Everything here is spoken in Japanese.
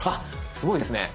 すごいですね。